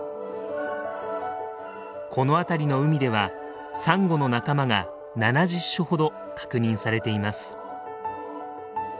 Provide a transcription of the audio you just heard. この辺りの海ではサンゴの仲間が７０種ほど確認されています。